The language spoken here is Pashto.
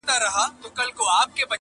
لږ صبر سه توپانه لا څپې دي چي راځي!.